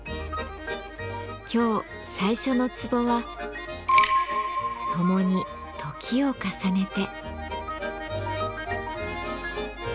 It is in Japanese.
今日最初の壺は「共に時を重ねて」。